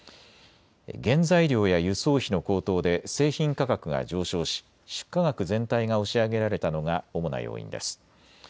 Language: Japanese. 原材料や輸送費の高騰で製品価格が上昇し出荷額全体が押し上げられたのが主な要因です。